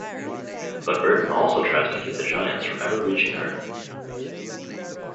But Burton also tries to keep the Giants from ever reaching Earth.